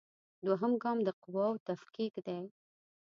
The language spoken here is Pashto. دوهم ګام د قواوو تفکیک دی.